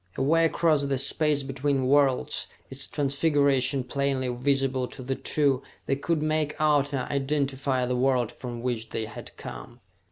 Away across the space between worlds, its transfiguration plainly visible to the two, they could make out and identify the world from which they had come.